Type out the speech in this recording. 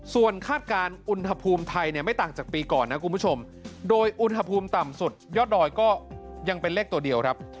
ส่วนคาดการณ์อุณหภูมิไทยเนี่ยไม่ต่างจากปีก่อนนะคุณผู้ชมโดยอุณหภูมิต่ำสุดยอดดอยก็ยังเป็นเลขตัวเดียวครับ